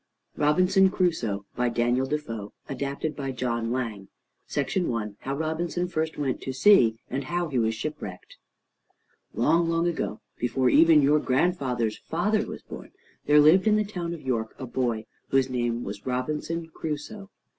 ROBINSON CRUSOE By DANIEL DEFOE ADAPTED BY JOHN LANG I HOW ROBINSON FIRST WENT TO SEA; AND HOW HE WAS SHIPWRECKED Long, long ago, before even your grandfather's father was born, there lived in the town of York a boy whose name was Robinson Crusoe.